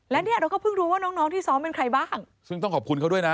และเนี่ยเราก็เพิ่งรู้ว่าน้องน้องที่ซ้อมเป็นใครบ้างซึ่งต้องขอบคุณเขาด้วยนะ